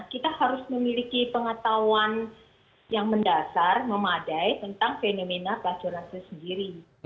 kita harus memiliki pengetahuan yang mendasar memadai tentang fenomena pelacuran itu sendiri